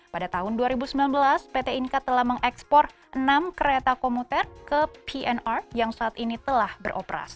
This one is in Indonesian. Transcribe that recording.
pada tahun dua ribu sembilan belas pt inka telah mengekspor enam kereta komuter ke pnr yang saat ini telah beroperasi